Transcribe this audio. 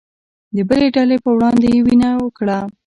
د بلې ډلې په وړاندې يې وينه وکړه